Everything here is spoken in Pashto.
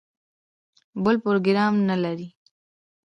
بل پروګرام نه لري.